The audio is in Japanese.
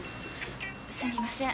すみません。